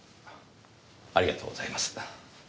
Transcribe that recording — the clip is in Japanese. ありがとうございます。